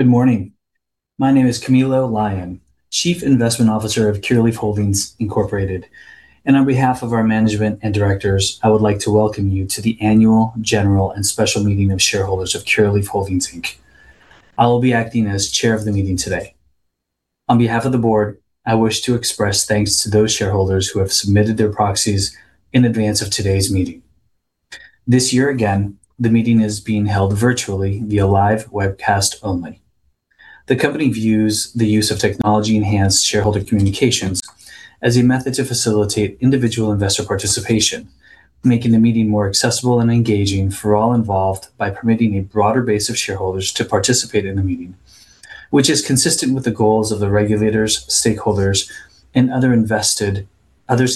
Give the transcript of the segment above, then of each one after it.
Good morning. My name is Camilo Lyon, Chief Investment Officer of Curaleaf Holdings Incorporated. On behalf of our management and directors, I would like to welcome you to the Annual, General, and Special Meeting of Shareholders of Curaleaf Holdings, Inc. I will be acting as chair of the meeting today. On behalf of the board, I wish to express thanks to those shareholders who have submitted their proxies in advance of today's meeting. This year again, the meeting is being held virtually via live webcast only. The company views the use of technology-enhanced shareholder communications as a method to facilitate individual investor participation, making the meeting more accessible and engaging for all involved by permitting a broader base of shareholders to participate in the meeting, which is consistent with the goals of the regulators, stakeholders, and others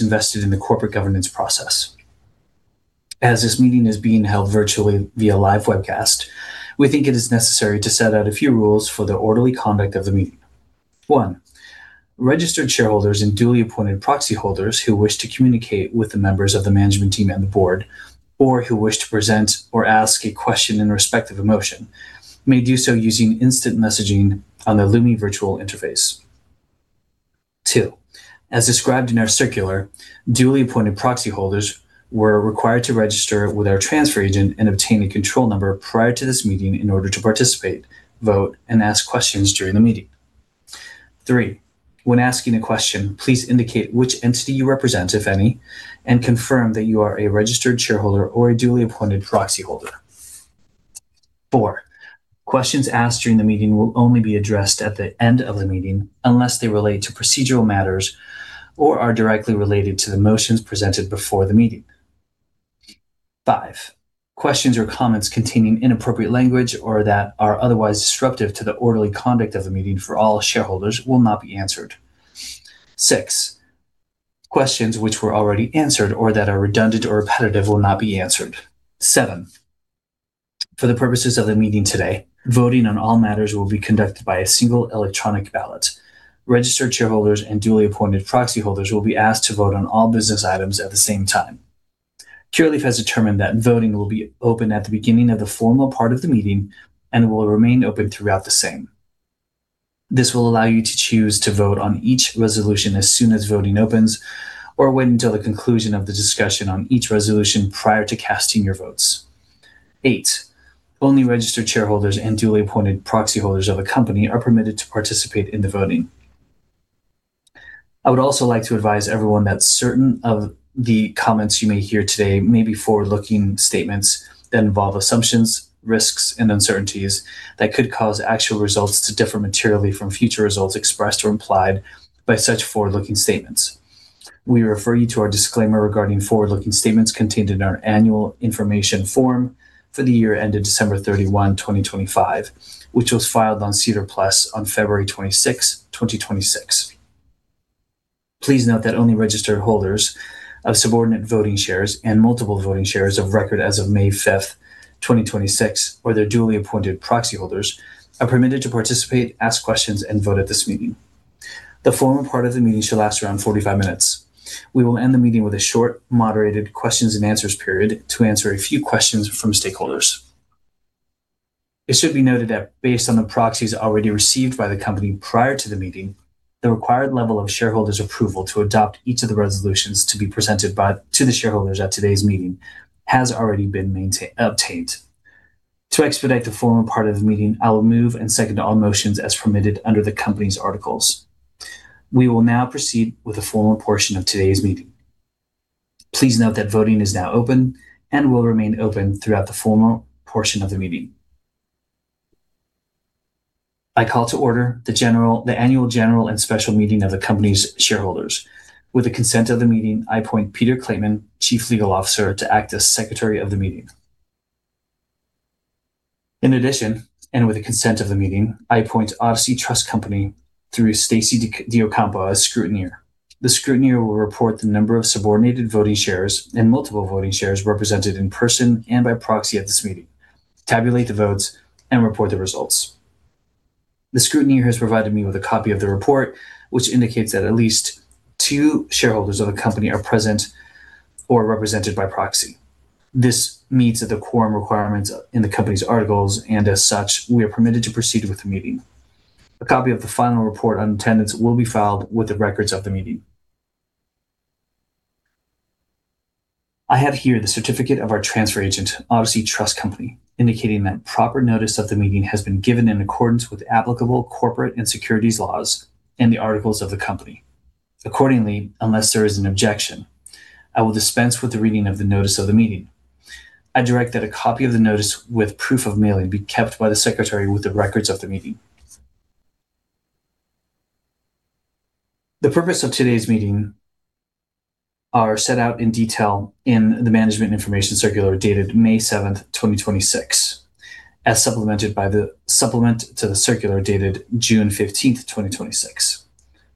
invested in the corporate governance process. As this meeting is being held virtually via live webcast, we think it is necessary to set out a few rules for the orderly conduct of the meeting. One, registered shareholders and duly appointed proxy holders who wish to communicate with the members of the management team and the board, or who wish to present or ask a question in respect of a motion, may do so using instant messaging on their Lumi virtual interface. Two, as described in our circular, duly appointed proxy holders were required to register with our transfer agent and obtain a control number prior to this meeting in order to participate, vote, and ask questions during the meeting. Three, when asking a question, please indicate which entity you represent, if any, and confirm that you are a registered shareholder or a duly appointed proxy holder. Four, questions asked during the meeting will only be addressed at the end of the meeting unless they relate to procedural matters or are directly related to the motions presented before the meeting. Five, questions or comments containing inappropriate language or that are otherwise disruptive to the orderly conduct of the meeting for all shareholders will not be answered. Six, questions which were already answered or that are redundant or repetitive will not be answered. Seven, for the purposes of the meeting today, voting on all matters will be conducted by a single electronic ballot. Registered shareholders and duly appointed proxy holders will be asked to vote on all business items at the same time. Curaleaf has determined that voting will be open at the beginning of the formal part of the meeting and will remain open throughout the same. This will allow you to choose to vote on each resolution as soon as voting opens, or wait until the conclusion of the discussion on each resolution prior to casting your votes. Eight, only registered shareholders and duly appointed proxy holders of the company are permitted to participate in the voting. I would also like to advise everyone that certain of the comments you may hear today may be forward-looking statements that involve assumptions, risks, and uncertainties that could cause actual results to differ materially from future results expressed or implied by such forward-looking statements. We refer you to our disclaimer regarding forward-looking statements contained in our annual information form for the year ended December 31, 2025, which was filed on SEDAR+ on February 26, 2026. Please note that only registered holders of subordinate voting shares and multiple voting shares of record as of May 5th, 2026, or their duly appointed proxy holders, are permitted to participate, ask questions, and vote at this meeting. The formal part of the meeting should last around 45 minutes. We will end the meeting with a short, moderated questions and answers period to answer a few questions from stakeholders. It should be noted that based on the proxies already received by the company prior to the meeting, the required level of shareholders' approval to adopt each of the resolutions to be presented to the shareholders at today's meeting has already been obtained. To expedite the formal part of the meeting, I will move and second all motions as permitted under the company's articles. We will now proceed with the formal portion of today's meeting. Please note that voting is now open and will remain open throughout the formal portion of the meeting. I call to order the annual general and special meeting of the company's shareholders. With the consent of the meeting, I appoint Peter Clateman, Chief Legal Officer, to act as Secretary of the meeting. In addition, with the consent of the meeting, I appoint Odyssey Trust Company through Stacy DeOcampo as scrutineer. The scrutineer will report the number of subordinated voting shares and multiple voting shares represented in person and by proxy at this meeting, tabulate the votes, and report the results. The scrutineer has provided me with a copy of the report, which indicates that at least two shareholders of the company are present or represented by proxy. This meets the quorum requirements in the company's articles, and as such, we are permitted to proceed with the meeting. A copy of the final report on attendance will be filed with the records of the meeting. I have here the certificate of our transfer agent, Odyssey Trust Company, indicating that proper notice of the meeting has been given in accordance with applicable corporate and securities laws and the articles of the company. Accordingly, unless there is an objection, I will dispense with the reading of the notice of the meeting. I direct that a copy of the notice with proof of mailing be kept by the secretary with the records of the meeting. The purpose of today's meeting are set out in detail in the management information circular dated May 7th, 2026, as supplemented by the supplement to the circular dated June 15th, 2026.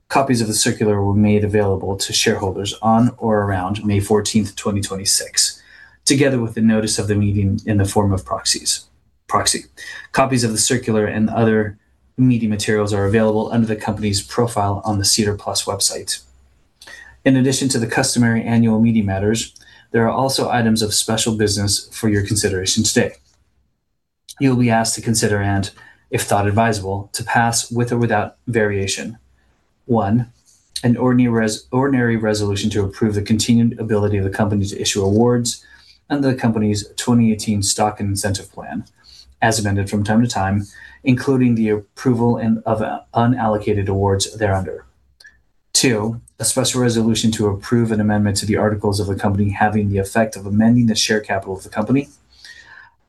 Copies of the circular were made available to shareholders on or around May 14th, 2026, together with the notice of the meeting in the form of proxy. Copies of the circular and other meeting materials are available under the company's profile on the SEDAR+ website. In addition to the customary annual meeting matters, there are also items of special business for your consideration today. You'll be asked to consider, and if thought advisable, to pass with or without variation, one, an ordinary resolution to approve the continued ability of the company to issue awards under the company's 2018 Stock and Incentive Plan as amended from time to time, including the approval of unallocated awards thereunder. Two, a special resolution to approve an amendment to the articles of the company having the effect of amending the share capital of the company.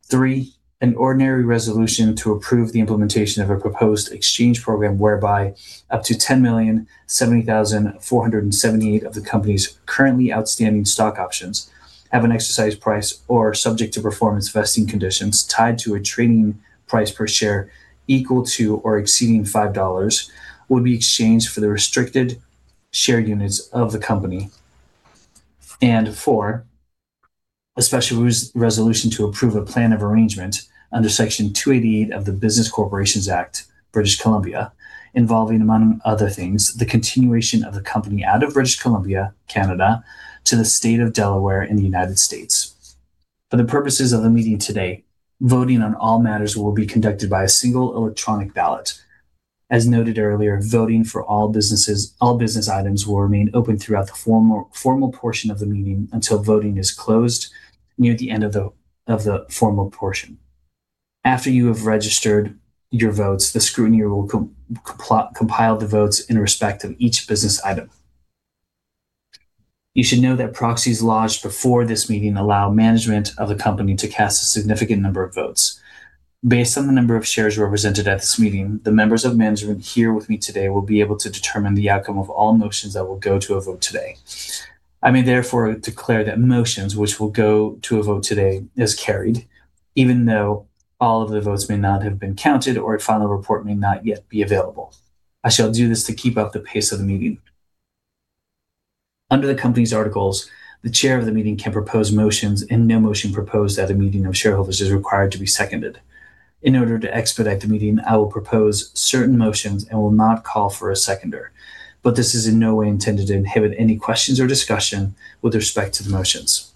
Three, an ordinary resolution to approve the implementation of a proposed exchange program whereby up to 10,070,478 of the company's currently outstanding stock options have an exercise price or subject to performance vesting conditions tied to a trading price per share equal to or exceeding $5 will be exchanged for the restricted share units of the company. Four, a special resolution to approve a plan of arrangement under Section 288 of the Business Corporations Act, British Columbia, involving, among other things, the continuation of the company out of British Columbia, Canada, to the state of Delaware in the United States. For the purposes of the meeting today, voting on all matters will be conducted by a single electronic ballot. As noted earlier, voting for all business items will remain open throughout the formal portion of the meeting until voting is closed near the end of the formal portion. After you have registered your votes, the scrutineer will compile the votes in respect of each business item. You should know that proxies lodged before this meeting allow management of the company to cast a significant number of votes. Based on the number of shares represented at this meeting, the members of management here with me today will be able to determine the outcome of all motions that will go to a vote today. I may therefore declare that motions which will go to a vote today as carried, even though all of the votes may not have been counted or a final report may not yet be available. I shall do this to keep up the pace of the meeting. Under the company's articles, the chair of the meeting can propose motions, and no motion proposed at a meeting of shareholders is required to be seconded. In order to expedite the meeting, I will propose certain motions and will not call for a seconder, but this is in no way intended to inhibit any questions or discussion with respect to the motions.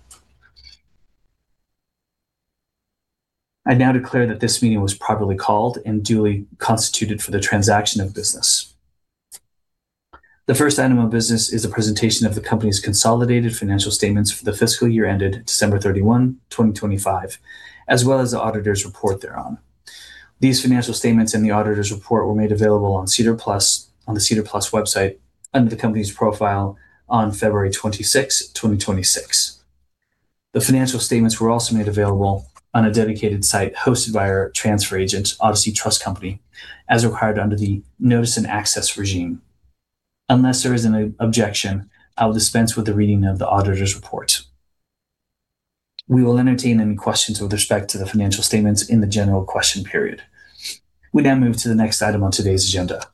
I now declare that this meeting was properly called and duly constituted for the transaction of business. The first item of business is a presentation of the company's consolidated financial statements for the fiscal year ended December 31, 2025, as well as the auditor's report thereon. These financial statements and the auditor's report were made available on the SEDAR+ website under the company's profile on February 26, 2026. The financial statements were also made available on a dedicated site hosted by our transfer agent, Odyssey Trust Company, as required under the notice and access regime. Unless there is an objection, I will dispense with the reading of the auditor's report. We will entertain any questions with respect to the financial statements in the general question period. We now move to the next item on today's agenda.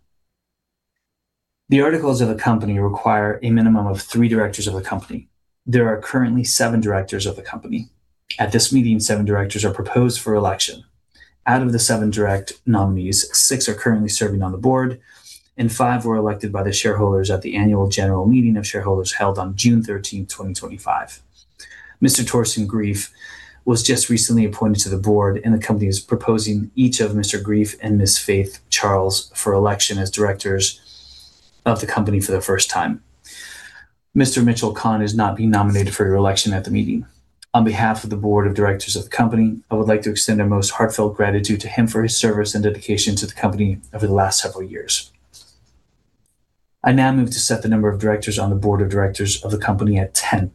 The articles of the company require a minimum of three directors of the company. There are currently seven directors of the company. At this meeting, seven directors are proposed for election. Out of the seven direct nominees, six are currently serving on the board, and five were elected by the shareholders at the annual general meeting of shareholders held on June 13, 2025. Mr. Torsten Greif was just recently appointed to the board, and the company is proposing each of Mr. Greif and Ms. Faith Charles for election as directors of the company for the first time. Mr. Mitchell Kahn is not being nominated for re-election at the meeting. On behalf of the board of directors of the company, I would like to extend our most heartfelt gratitude to him for his service and dedication to the company over the last several years. I now move to set the number of directors on the board of directors of the company at 10.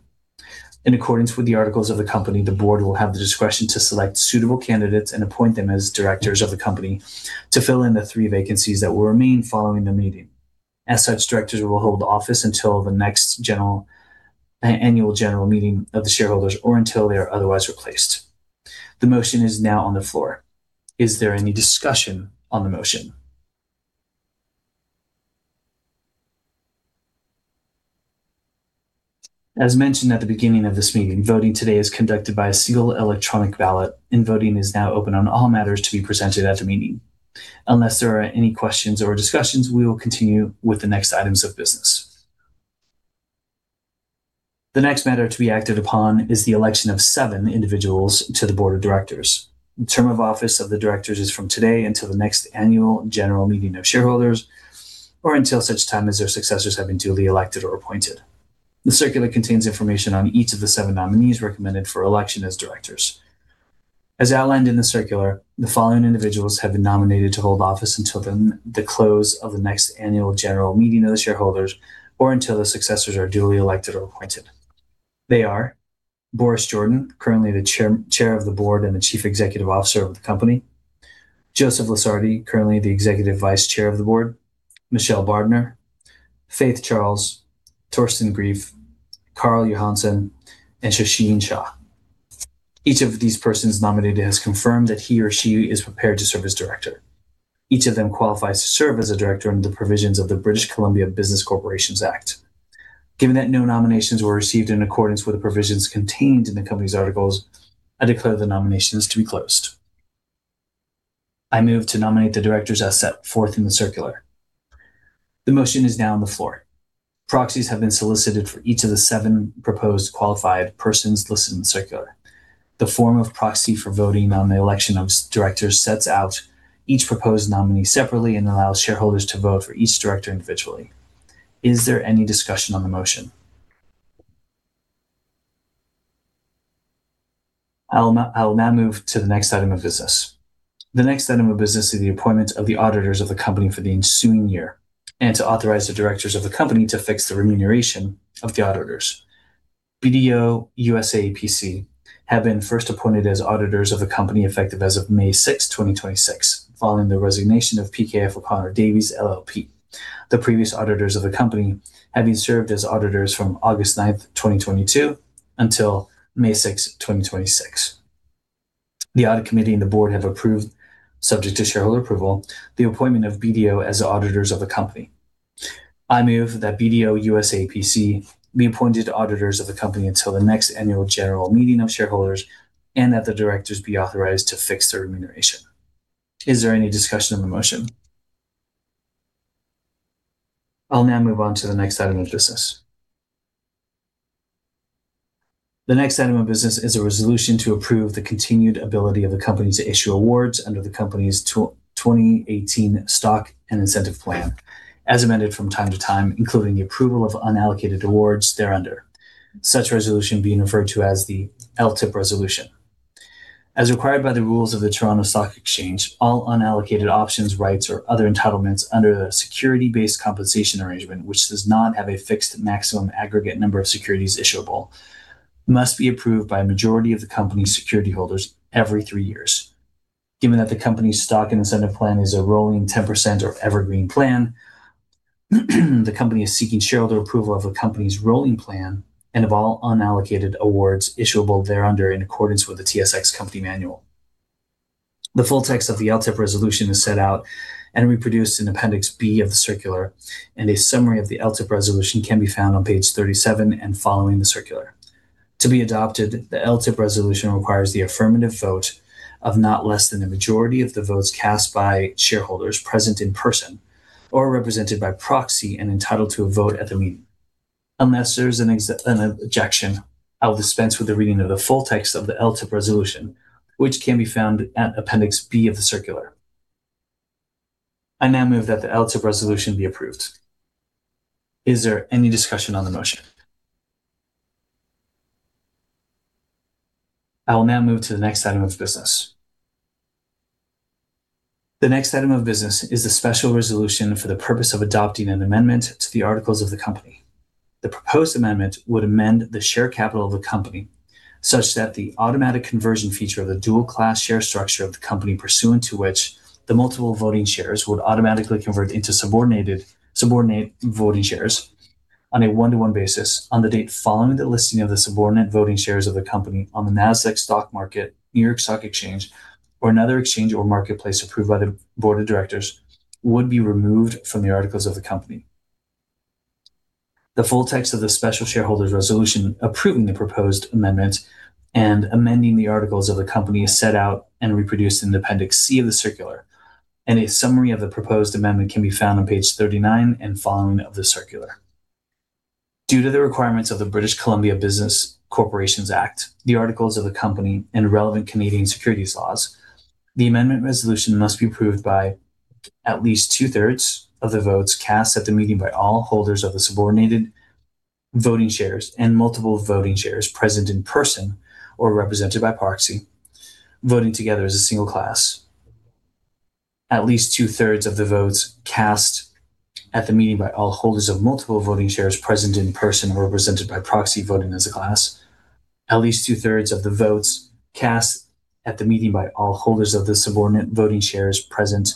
In accordance with the articles of the company, the board will have the discretion to select suitable candidates and appoint them as directors of the company to fill in the three vacancies that will remain following the meeting. As such, directors will hold office until the next annual general meeting of the shareholders or until they are otherwise replaced. The motion is now on the floor. Is there any discussion on the motion? As mentioned at the beginning of this meeting, voting today is conducted by a single electronic ballot, voting is now open on all matters to be presented at the meeting. Unless there are any questions or discussions, we will continue with the next items of business. The next matter to be acted upon is the election of seven individuals to the board of directors. The term of office of the directors is from today until the next annual general meeting of shareholders or until such time as their successors have been duly elected or appointed. The circular contains information on each of the seven nominees recommended for election as directors. As outlined in the circular, the following individuals have been nominated to hold office until the close of the next annual general meeting of the shareholders or until the successors are duly elected or appointed. They are Boris Jordan, currently the chair of the board and the chief executive officer of the company, Joseph Lusardi, currently the executive vice chair of the board, Michelle Bodner, Faith Charles, Torsten Greif, Karl Johansson, and Shasheen Shah. Each of these persons nominated has confirmed that he or she is prepared to serve as director. Each of them qualifies to serve as a director under the provisions of the British Columbia Business Corporations Act. Given that no nominations were received in accordance with the provisions contained in the company's articles, I declare the nominations to be closed. I move to nominate the directors as set forth in the circular. The motion is now on the floor. Proxies have been solicited for each of the seven proposed qualified persons listed in the circular. The form of proxy for voting on the election of directors sets out each proposed nominee separately, allows shareholders to vote for each director individually. Is there any discussion on the motion? I will now move to the next item of business. The next item of business is the appointment of the auditors of the company for the ensuing year, and to authorize the directors of the company to fix the remuneration of the auditors. BDO USA, P.C. have been first appointed as auditors of the company effective as of May 6th, 2026, following the resignation of PKF O'Connor Davies, LLP. The previous auditors of the company having served as auditors from August 9th, 2022, until May 6th, 2026. The audit committee and the board have approved, subject to shareholder approval, the appointment of BDO as the auditors of the company. I move that BDO USA, P.C. be appointed auditors of the company until the next annual general meeting of shareholders, and that the directors be authorized to fix their remuneration. Is there any discussion on the motion? I'll now move on to the next item of business. The next item of business is a resolution to approve the continued ability of the company to issue awards under the company's 2018 Stock and Incentive Plan, as amended from time to time, including the approval of unallocated awards thereunder. Such resolution being referred to as the LTIP resolution. As required by the rules of the Toronto Stock Exchange, all unallocated options, rights, or other entitlements under the security-based compensation arrangement which does not have a fixed maximum aggregate number of securities issuable, must be approved by a majority of the company's security holders every three years. Given that the company's Stock and Incentive Plan is a rolling 10% or evergreen plan, the company is seeking shareholder approval of the company's rolling plan and of all unallocated awards issuable thereunder in accordance with the TSX Company Manual. The full text of the LTIP resolution is set out and reproduced in Appendix B of the circular, and a summary of the LTIP resolution can be found on page 37 and following the circular. To be adopted, the LTIP resolution requires the affirmative vote of not less than a majority of the votes cast by shareholders present in person or represented by proxy and entitled to a vote at the meeting. Unless there's an objection, I'll dispense with the reading of the full text of the LTIP resolution, which can be found at Appendix B of the circular. I now move that the LTIP resolution be approved. Is there any discussion on the motion? I will now move to the next item of business. The next item of business is a special resolution for the purpose of adopting an amendment to the articles of the company. The proposed amendment would amend the share capital of the company such that the automatic conversion feature of the dual class share structure of the company pursuant to which the multiple voting shares would automatically convert into subordinate voting shares on a one-to-one basis on the date following the listing of the subordinate voting shares of the company on the Nasdaq Stock Market, New York Stock Exchange, or another exchange or marketplace approved by the board of directors, would be removed from the articles of the company. The full text of the special shareholders' resolution approving the proposed amendment and amending the articles of the company as set out and reproduced in Appendix C of the circular, and a summary of the proposed amendment can be found on page 39 and following of the circular. Due to the requirements of the British Columbia Business Corporations Act, the articles of the company and relevant Canadian securities laws, the amendment resolution must be approved by at least two-thirds of the votes cast at the meeting by all holders of the subordinated voting shares and multiple voting shares present in person or represented by proxy, voting together as a single class, at least two-thirds of the votes cast at the meeting by all holders of multiple voting shares present in person represented by proxy voting as a class, at least two-thirds of the votes cast at the meeting by all holders of the subordinate voting shares present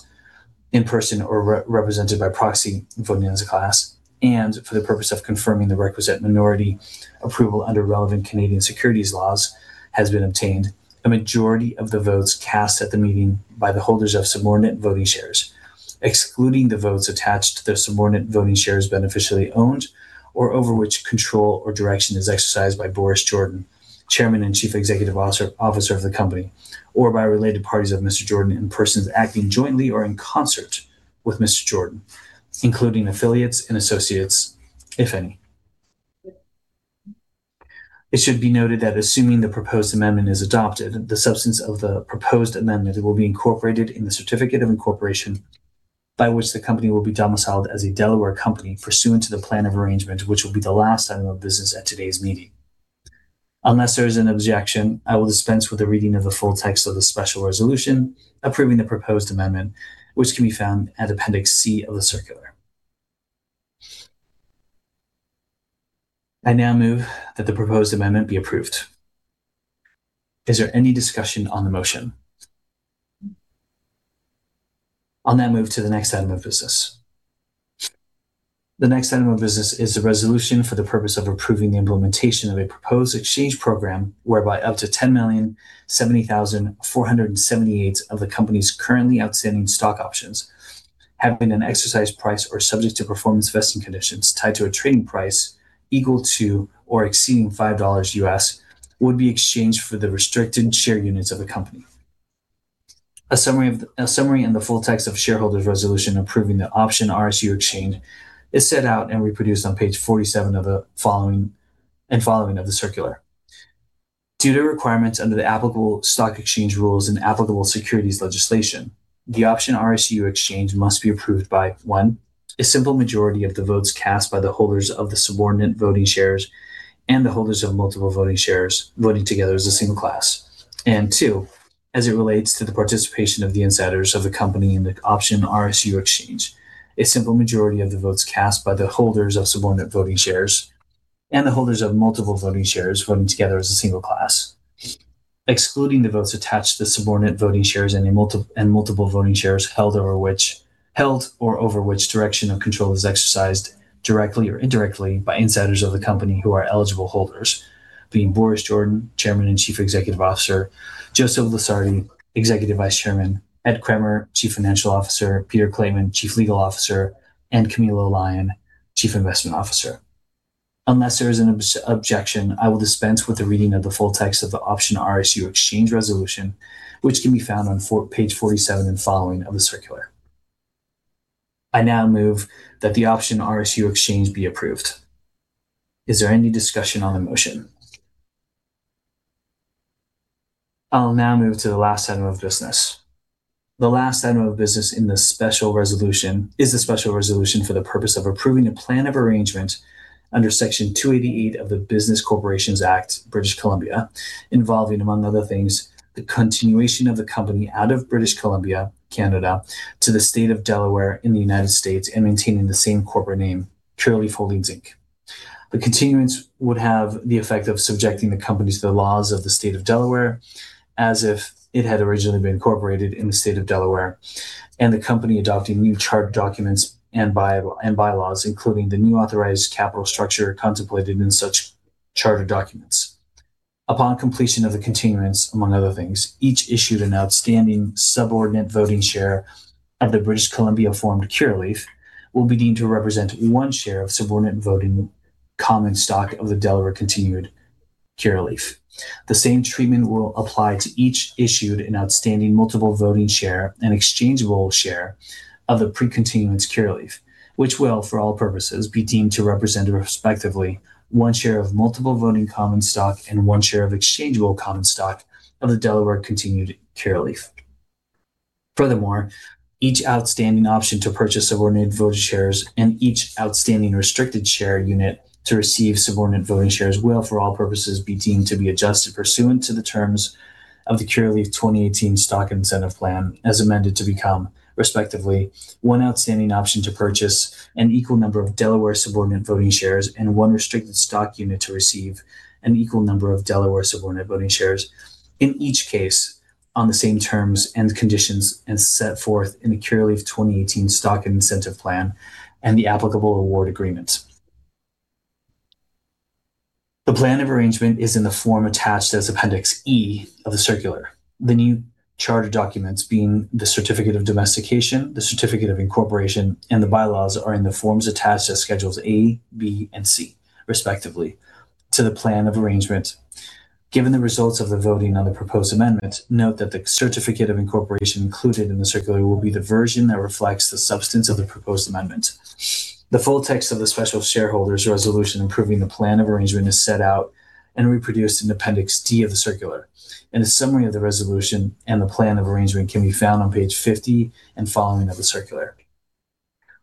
in person or represented by proxy voting as a class, and for the purpose of confirming the requisite minority approval under relevant Canadian securities laws has been obtained. A majority of the votes cast at the meeting by the holders of subordinate voting shares, excluding the votes attached to the subordinate voting shares beneficially owned or over which control or direction is exercised by Boris Jordan, Chairman and Chief Executive Officer of the company, or by related parties of Mr. Jordan and persons acting jointly or in concert with Mr. Jordan, including affiliates and associates, if any. It should be noted that assuming the proposed amendment is adopted, the substance of the proposed amendment will be incorporated in the Certificate of Incorporation by which the company will be domiciled as a Delaware company pursuant to the plan of arrangement, which will be the last item of business at today's meeting. Unless there is an objection, I will dispense with the reading of the full text of the special resolution approving the proposed amendment, which can be found at Appendix C of the circular. I now move that the proposed amendment be approved. Is there any discussion on the motion? I'll now move to the next item of business. The next item of business is a resolution for the purpose of approving the implementation of a proposed exchange program whereby up to 10,070,478 of the company's currently outstanding stock options. Having an exercise price or subject to performance vesting conditions tied to a trading price equal to or exceeding $5 would be exchanged for the restricted share units of the company. A summary and the full text of shareholders' resolution approving the option RSU exchange is set out and reproduced on page 47 and following of the circular. Due to requirements under the applicable stock exchange rules and applicable securities legislation, the option RSU exchange must be approved by, one, a simple majority of the votes cast by the holders of the subordinate voting shares and the holders of multiple voting shares voting together as a single class. Two, as it relates to the participation of the insiders of the company in the option RSU exchange, a simple majority of the votes cast by the holders of subordinate voting shares and the holders of multiple voting shares voting together as a single class. Excluding the votes attached to subordinate voting shares and multiple voting shares held or over which direction of control is exercised directly or indirectly by insiders of the company who are eligible holders, being Boris Jordan, Chairman and Chief Executive Officer, Joseph Lusardi, Executive Vice Chairman, Ed Kremer, Chief Financial Officer, Peter Clateman, Chief Legal Officer, and Camilo Lyon, Chief Investment Officer. Unless there is an objection, I will dispense with the reading of the full text of the option RSU exchange resolution, which can be found on page 47 and following of the circular. I now move that the option RSU exchange be approved. Is there any discussion on the motion? I'll now move to the last item of business. The last item of business is the special resolution for the purpose of approving a plan of arrangement under Section 288 of the Business Corporations Act, British Columbia, involving, among other things, the continuation of the company out of British Columbia, Canada, to the state of Delaware in the U.S. and maintaining the same corporate name, Curaleaf Holdings, Inc. The continuance would have the effect of subjecting the company to the laws of the state of Delaware as if it had originally been incorporated in the state of Delaware, and the company adopting new charter documents and bylaws, including the new authorized capital structure contemplated in such charter documents. Upon completion of the continuance, among other things, each issued an outstanding subordinate voting share of the British Columbia formed Curaleaf will be deemed to represent one share of subordinate voting common stock of the Delaware continued Curaleaf. The same treatment will apply to each issued an outstanding multiple voting share and exchangeable share of the pre-continuance Curaleaf, which will, for all purposes, be deemed to represent respectively one share of multiple voting common stock and one share of exchangeable common stock of the Delaware continued Curaleaf. Furthermore, each outstanding option to purchase subordinate voting shares and each outstanding restricted share unit to receive subordinate voting shares will, for all purposes, be deemed to be adjusted pursuant to the terms of the Curaleaf 2018 Stock and Incentive Plan, as amended to become, respectively, one outstanding option to purchase an equal number of Delaware subordinate voting shares and one restricted stock unit to receive an equal number of Delaware subordinate voting shares. In each case, on the same terms and conditions as set forth in the Curaleaf 2018 Stock and Incentive Plan and the applicable award agreements. The plan of arrangement is in the form attached as Appendix E of the circular. The new charter documents being the Certificate of Domestication, the Certificate of Incorporation, and the bylaws are in the forms attached as Schedules A, B, and C, respectively, to the plan of arrangement. Given the results of the voting on the proposed amendments, note that the Certificate of Incorporation included in the circular will be the version that reflects the substance of the proposed amendment. The full text of the special shareholders' resolution approving the plan of arrangement is set out and reproduced in Appendix D of the circular. A summary of the resolution and the plan of arrangement can be found on page 50 and following of the circular.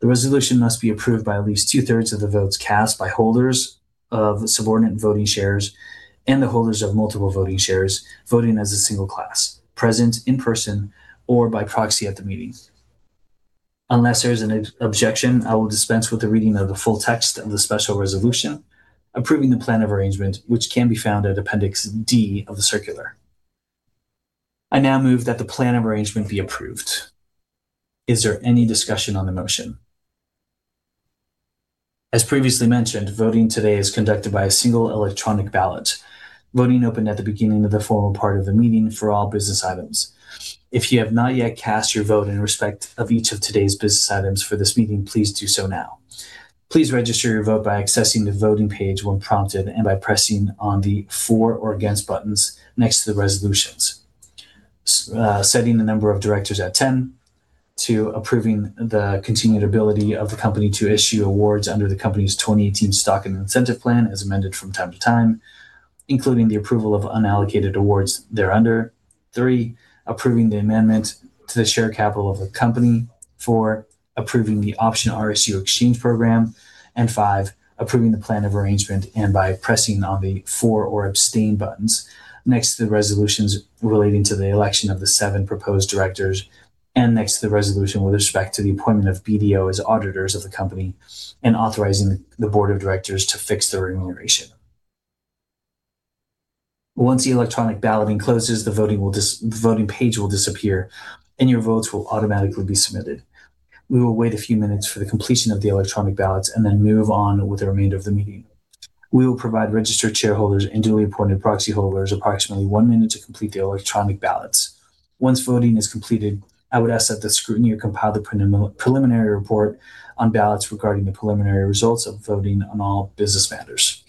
The resolution must be approved by at least two-thirds of the votes cast by holders of the subordinate voting shares and the holders of multiple voting shares, voting as a single class, present in person or by proxy at the meeting. Unless there is an objection, I will dispense with the reading of the full text of the special resolution approving the plan of arrangement, which can be found at Appendix D of the circular. I now move that the plan of arrangement be approved. Is there any discussion on the motion? As previously mentioned, voting today is conducted by a single electronic ballot. Voting opened at the beginning of the formal part of the meeting for all business items. If you have not yet cast your vote in respect of each of today's business items for this meeting, please do so now. Please register your vote by accessing the voting page when prompted and by pressing on the For or Against buttons next to the resolutions. Setting the number of directors at 10 to approving the continued ability of the company to issue awards under the company's 2018 Stock and Incentive Plan, as amended from time to time, including the approval of unallocated awards thereunder. Three, approving the amendment to the share capital of the company. Four, approving the option RSU exchange program. Five, approving the plan of arrangement, and by pressing on the For or Abstain buttons next to the resolutions relating to the election of the seven proposed directors and next to the resolution with respect to the appointment of BDO as auditors of the company and authorizing the Board of Directors to fix their remuneration. Once the electronic balloting closes, the voting page will disappear, and your votes will automatically be submitted. We will wait a few minutes for the completion of the electronic ballots and then move on with the remainder of the meeting. We will provide registered shareholders and duly appointed proxyholders approximately one minute to complete the electronic ballots. Once voting is completed, I would ask that the scrutineer compile the preliminary report on ballots regarding the preliminary results of voting on all business matters.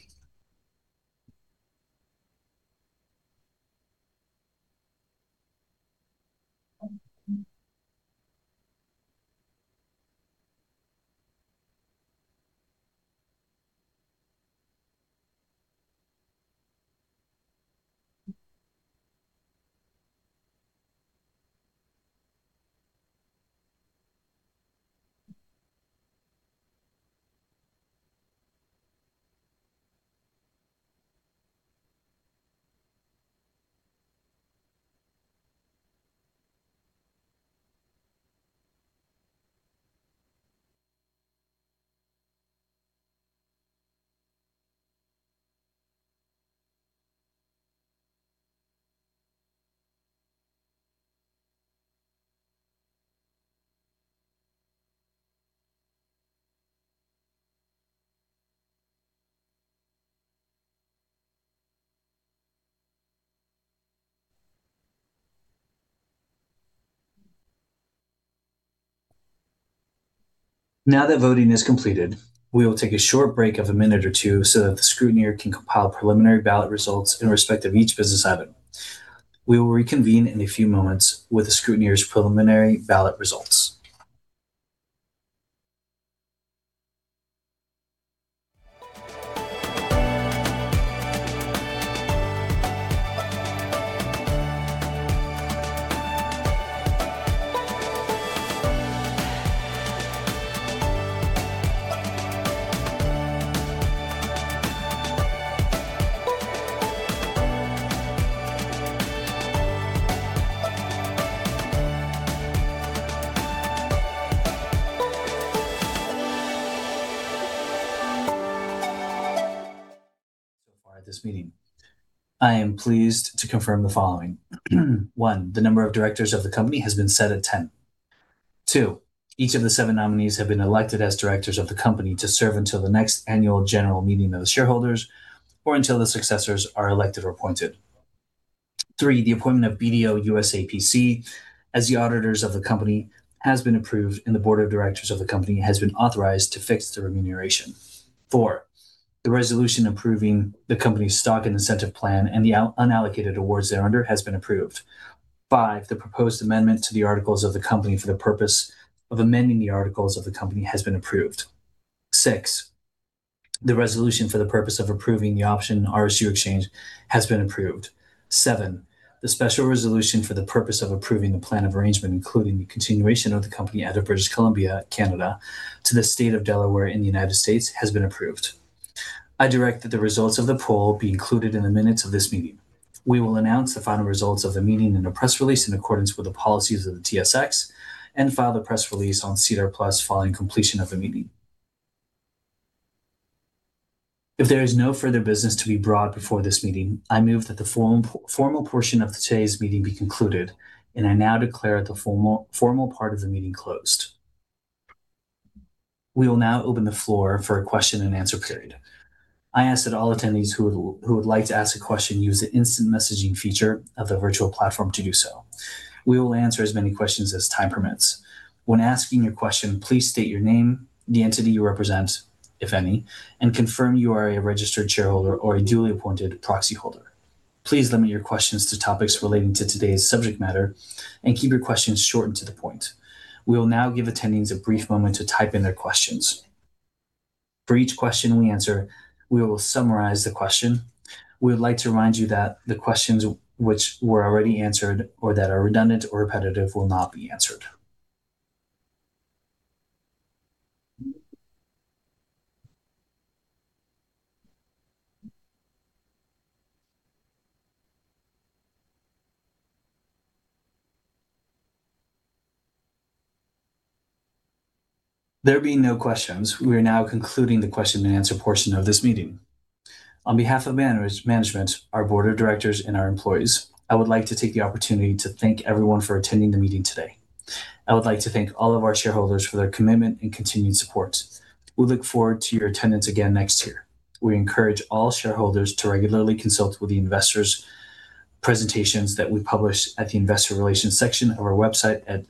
Now that voting is completed, we will take a short break of a minute or two so that the scrutineer can compile preliminary ballot results in respect of each business item. We will reconvene in a few moments with the scrutineer's preliminary ballot results. So far at this meeting, I am pleased to confirm the following. One, the number of directors of the company has been set at 10. Two, each of the seven nominees have been elected as directors of the company to serve until the next annual general meeting of the shareholders or until the successors are elected or appointed. Three, the appointment of BDO USA, P.C. as the auditors of the company has been approved, and the Board of Directors of the company has been authorized to fix their remuneration. Four, the resolution approving the company's Stock and Incentive Plan and the unallocated awards thereunder has been approved. Five, the proposed amendment to the articles of the company for the purpose of amending the articles of the company has been approved. Six, the resolution for the purpose of approving the option RSU exchange has been approved. Seven, the special resolution for the purpose of approving the plan of arrangement, including the continuation of the company out of British Columbia, Canada, to the state of Delaware in the U.S., has been approved. I direct that the results of the poll be included in the minutes of this meeting. We will announce the final results of the meeting in a press release in accordance with the policies of the TSX and file the press release on SEDAR+ following completion of the meeting. If there is no further business to be brought before this meeting, I move that the formal portion of today's meeting be concluded, and I now declare the formal part of the meeting closed. We will now open the floor for a question and answer period. I ask that all attendees who would like to ask a question use the instant messaging feature of the virtual platform to do so. We will answer as many questions as time permits. When asking your question, please state your name, the entity you represent, if any, and confirm you are a registered shareholder or a duly appointed proxyholder. Please limit your questions to topics relating to today's subject matter and keep your questions short and to the point. We will now give attendees a brief moment to type in their questions. For each question we answer, we will summarize the question. We would like to remind you that the questions which were already answered or that are redundant or repetitive will not be answered. There being no questions, we are now concluding the question and answer portion of this meeting. On behalf of management, our board of directors and our employees, I would like to take the opportunity to thank everyone for attending the meeting today. I would like to thank all of our shareholders for their commitment and continued support. We look forward to your attendance again next year. We encourage all shareholders to regularly consult with the investor presentations that we publish at the investor relations section of our website.